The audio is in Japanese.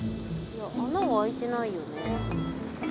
いや穴は開いてないよね。